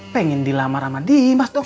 pengen dilamar sama dimas dong